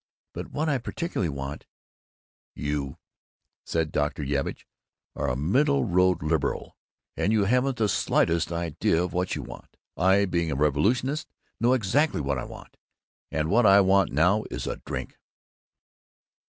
But what I particularly want " "You," said Dr. Yavitch, "are a middle road liberal, and you haven't the slightest idea what you want. I, being a revolutionist, know exactly what I want and what I want now is a drink."